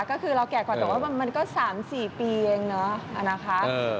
ก็คือเราแก่กว่าแต่ว่ามันก็๓๔ปีเองเนาะนะคะ